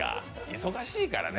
忙しいからね。